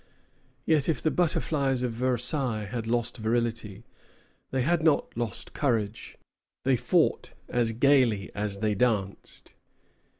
Yet if the butterflies of Versailles had lost virility, they had not lost courage. They fought as gayly as they danced.